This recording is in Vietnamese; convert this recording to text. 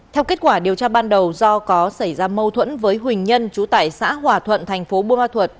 theo kết quả điều tra ban đầu do có xảy ra mâu thuẫn với huỳnh nhân chú tại xã hòa thuận thành phố bôn ma thuộc